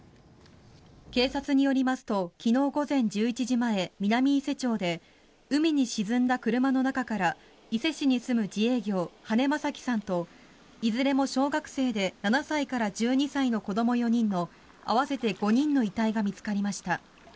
警察によりますと昨日午前１１時前、南伊勢町で海に沈んだ車の中から伊勢市に住む自営業羽根正樹さんといずれも小学生で７歳から１２歳の子ども４人の合わせて５人の遺体が見つかりました。